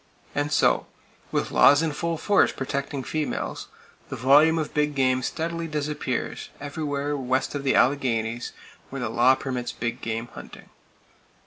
And so, with laws in full force protecting females, the volume of big game steadily disappears, everywhere west of the Alleghanies where the law permits big game hunting!